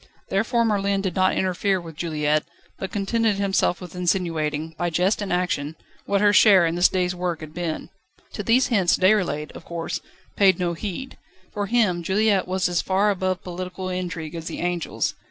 Therefore Merlin did not interfere with Juliette, but contented himself with insinuating, by jest and action, what her share in this day's work had been. To these hints Déroulède, of course, paid no heed. For him Juliette was as far above political intrigue as the angels.